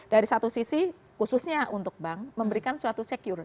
dari satu sisi khususnya untuk bank memberikan suatu secure